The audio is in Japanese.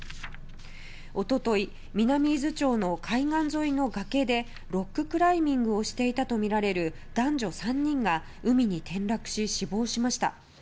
一昨日南伊豆町の海岸沿いの崖でロッククライミングをしていたとみられる男女３人が海に転落し死亡しました。